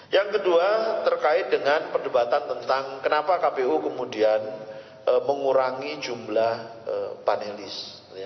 yang kedua terkait dengan perdebatan tentang kenapa kpu kemudian mengurangi jumlah panelis